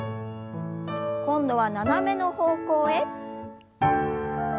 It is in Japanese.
今度は斜めの方向へ。